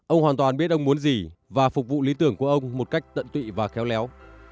ông hoàn toàn biết ông muốn gì và phục vụ lý tưởng của ông một cách tận tụy và khéo léo